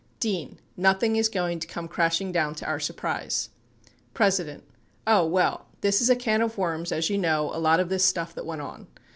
D. Nothing is going to come crashing down to our surprise, P. Oh well, this is a can of worms as you know a lot of this stuff that went on.